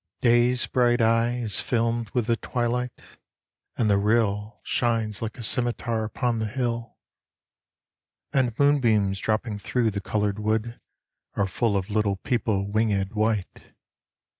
Day's bright eye 59 6o THE HILLS Is filmed with the twihght, and the rill Shines like a scimitar upon the hill. And moonbeams drooping thro' the coloured wood Are full of little people winged white.